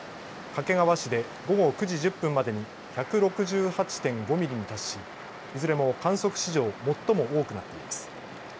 掛川市で午後９時１０分までに１６８．５ミリに達しいずれも観測史上最も多くなっています。